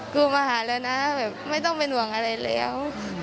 กูมาหาแล้วนะแบบไม่ต้องเป็นห่วงอะไรแล้ว